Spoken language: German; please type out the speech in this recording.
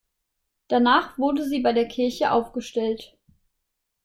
Danach wurde sie bei der Kirche aufgestellt.